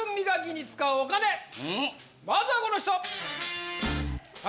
まずはこの人！